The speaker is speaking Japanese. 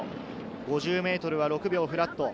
５０ｍは６秒フラット。